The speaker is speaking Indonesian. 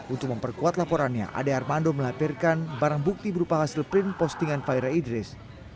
untuk memperkuat laporannya ade armando melampirkan barang bukti berupa hasil print postingan faira idris